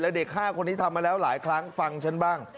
เด็ก๕คนนี้ทำมาแล้วหลายครั้งฟังฉันบ้าง